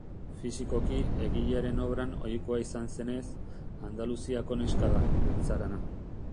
Fisikoki, egilearen obran ohikoa izan zenez, Andaluziako neska da, beltzarana.